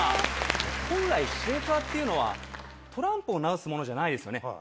本来シェイカーっていうのはトランプを直すものじゃないですよね。